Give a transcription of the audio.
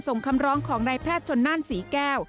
คำร้องของนายแพทย์ชนนั่นศรีแก้ว